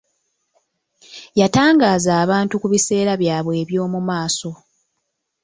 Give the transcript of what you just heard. Yatangaaza abantu ku biseera byabwe eby'omumaaso.